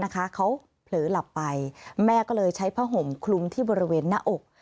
เขาเผลอหลับไปแม่ก็เลยใช้ผ้าห่มคลุมที่บริเวณหน้าอก